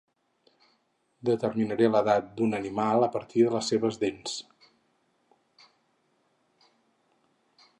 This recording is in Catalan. Determinaré l'edat d'un animal a partir de les seves dents.